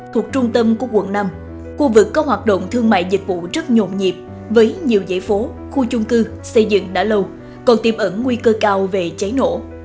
thuộc trung tâm của quận năm khu vực có hoạt động thương mại dịch vụ rất nhộn nhịp với nhiều giải phố khu chung cư xây dựng đã lâu còn tiêm ẩn nguy cơ cao về cháy nổ